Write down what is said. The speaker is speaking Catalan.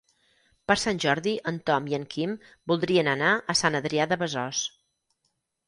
Per Sant Jordi en Tom i en Quim voldrien anar a Sant Adrià de Besòs.